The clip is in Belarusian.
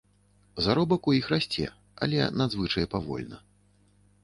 Заробак у іх расце, але надзвычай павольна.